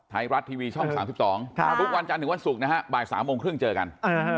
ไทยรัฐทีวีช่อง๓๒ทุกวันจันทร์ถึงวันศุกร์นะฮะบ่าย๓โมงครึ่งเจอกัน